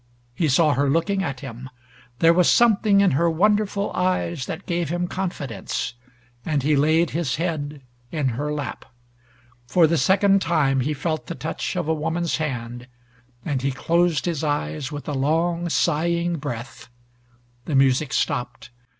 He saw her looking at him; there was something in her wonderful eyes that gave him confidence, and he laid his head in her lap. For the second time he felt the touch of a woman's hand, and he closed his eyes with a long sighing breath. The music stopped.